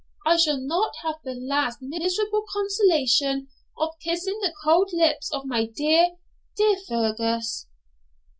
I shall not have the last miserable consolation of kissing the cold lips of my dear, dear Fergus!'